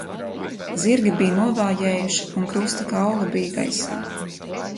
Zirgi bija novājējuši un krusta kauli bija gaisā.